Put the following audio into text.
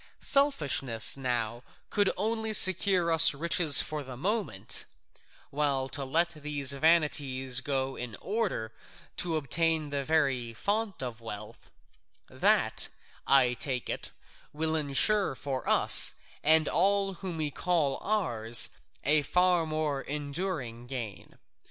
Selfishness now could only secure us riches for the moment, while to let these vanities go in order to obtain the very fount of wealth, that, I take it, will ensure for us and all whom we call ours a far more enduring gain.